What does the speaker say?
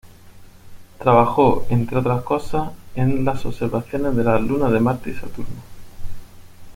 Trabajó, entre otras cosas, en las observaciones de las lunas de Marte y Saturno.